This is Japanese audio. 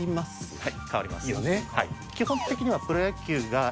はい。